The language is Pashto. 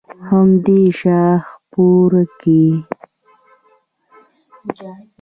هم دې شاهپور کښې